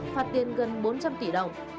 phát tiên gần bốn trăm linh tỷ đồng